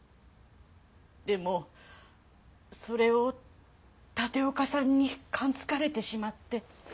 でもそれを立岡さんに感づかれてしまって。